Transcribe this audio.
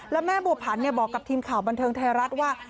แล้วแม่บัวผันบอกกับทีมข่าวบันเทิงไทยรัฐว่า